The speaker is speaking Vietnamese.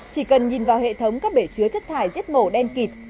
chỉ cần nhìn vào hệ thống các bể chứa chất thải giết mộ đen kịp